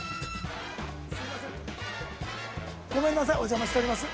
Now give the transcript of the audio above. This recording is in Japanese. ごめんなさいお邪魔しております。